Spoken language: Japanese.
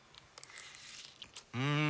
うん！